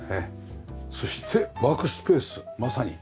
そしてワークスペースまさに。